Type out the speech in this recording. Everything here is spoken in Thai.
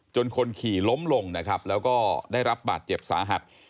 คนขี่ล้มลงนะครับแล้วก็ได้รับบาดเจ็บสาหัส